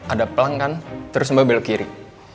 ada pelanggan terus mbak bel kiri